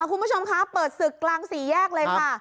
คุณผู้ชมคะเปิดศึกกลางสี่แยกเลยค่ะ